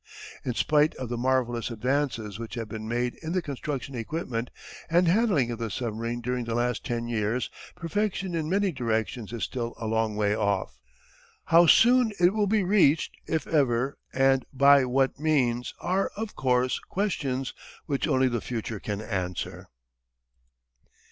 In spite of the marvellous advances which have been made in the construction, equipment, and handling of the submarine during the last ten years, perfection in many directions is still a long way off. How soon it will be reached, if ever, and by what means, are, of course, questions which only the future can answer.